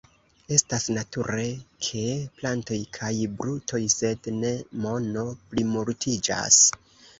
Estas nature ke plantoj kaj brutoj, sed ne mono, plimultiĝas.